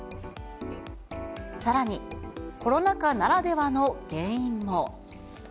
さらに、コロナ禍ならではの原因も。